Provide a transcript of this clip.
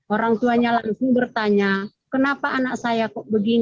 orang tuanya langsung bertanya kenapa anak saya kok begini